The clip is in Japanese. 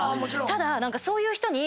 ただそういう人に。